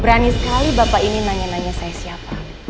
berani sekali bapak ini nanya nanya saya siapa